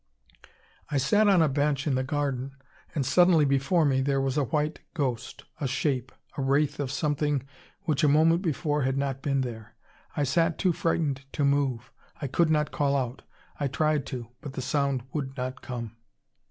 "I sat on a bench in the garden. And suddenly before me there was a white ghost. A shape. A wraith of something which a moment before had not been there. I sat too frightened to move. I could not call out. I tried to, but the sound would not come.